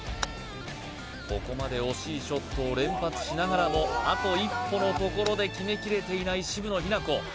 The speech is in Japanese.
ここまで惜しいショットを連発しながらもあと一歩のところで決めきれていない渋野日向子